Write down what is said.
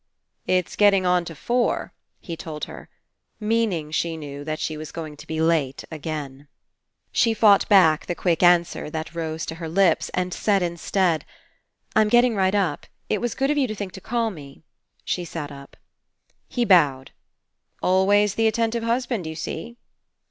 "It's getting on to four," he told her, meaning, she knew, that she was going to be late again. She fought back the quick answer that rose to her lips and said instead: "I'm getting right up. It was good of you to think to call me." She sat up. He bowed. "Always the attentive hus band, you see."